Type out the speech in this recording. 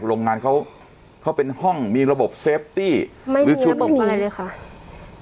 โรงงานเขาเขาเป็นห้องมีระบบเซฟตี้ไม่มีชุดไม่มีอะไรเลยค่ะ